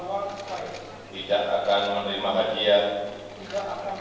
bahwa saya tidak akan menerima hadiah